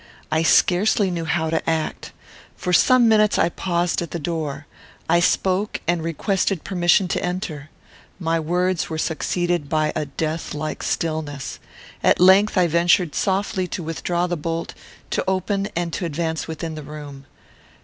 I scarcely knew how to act. For some minutes I paused at the door. I spoke, and requested permission to enter. My words were succeeded by a death like stillness. At length I ventured softly to withdraw the bolt, to open and to advance within the room.